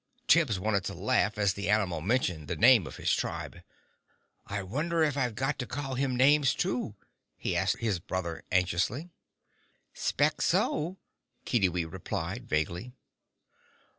Tibbs wanted to laugh as the animal mentioned the name of his tribe. "I wonder if I've got to call him names too?" he asked his brother, anxiously. "'Spect so," Kiddiwee replied, vaguely.